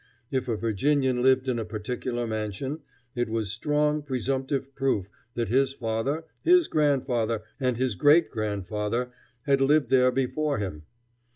If a Virginian lived in a particular mansion, it was strong presumptive proof that his father, his grandfather, and his great grandfather had lived there before him.